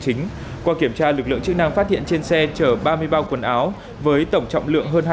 chính qua kiểm tra lực lượng chức năng phát hiện trên xe chở ba mươi bao quần áo với tổng trọng lượng hơn